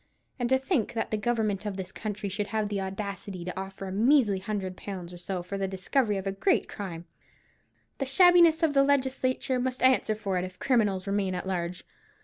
And to think that the Government of this country should have the audacity to offer a measly hundred pounds or so for the discovery of a great crime! The shabbiness of the legislature must answer for it, if criminals remain at large.